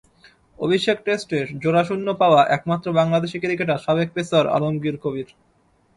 অভিষেক টেস্টে জোড়া শূন্য পাওয়া একমাত্র বাংলাদেশি ক্রিকেটার সাবেক পেসার আলমগীর কবির।